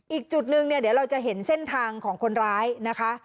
อีกจุดนึงเนี่ยเดี๋ยวเราจะเห็นเส้นทางของคนร้ายนะคะ